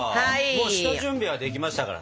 もう下準備はできましたからね。